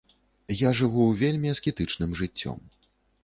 Я жыву вельмі аскетычным жыццём.